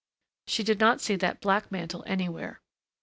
She did not see that black mantle anywhere.